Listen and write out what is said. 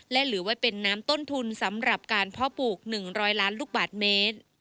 และเหลือไว้เป็นน้ำต้นทุนสำหรับการเพาะปลูก๑๐๐ล้านลูกบาทเมตร